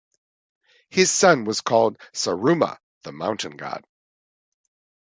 His son was called Sarruma, the mountain god.